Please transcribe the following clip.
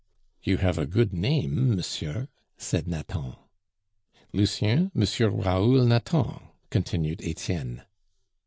"You have a good name, monsieur," said Nathan. "Lucien, M. Raoul Nathan," continued Etienne.